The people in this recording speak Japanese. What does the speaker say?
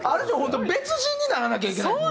当別人にならなきゃいけないもんね。